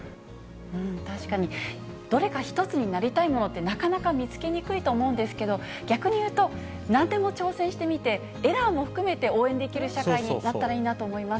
確かに、どれか１つになりたいものって、なかなか見つけにくいと思うんですけど、逆に言うと、なんでも挑戦してみて、エラーも含めて応援できる社会になったらいいなと思います。